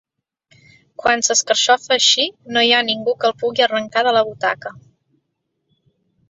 Quan s'escarxofa així, no hi ha ningú que el pugui arrencar de la butaca.